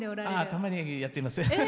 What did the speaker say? たまにやっています。